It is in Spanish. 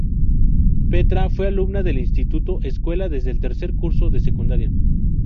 Petra fue alumna del Instituto-Escuela desde el tercer curso de secundaria.